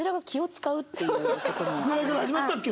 ぐらいから始まってたっけ？